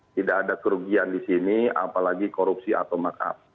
tidak ada kerugian di sini apalagi korupsi atau markup